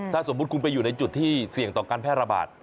ถ้าสมมุติคุณไปอยู่ในจุดที่เสี่ยงต่อการแพร่ระบาด